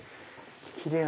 キレイな。